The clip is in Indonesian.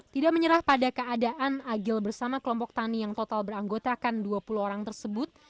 tidak menyerah pada keadaan agil bersama kelompok tani yang total beranggotakan dua puluh orang tersebut